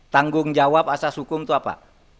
tanggung jawab asas hukum itu apa